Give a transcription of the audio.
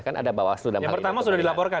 yang pertama sudah dilaporkan